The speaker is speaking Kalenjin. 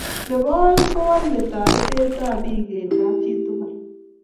Nebo aeng ko walae taretet ab piikeng' kapchii tugul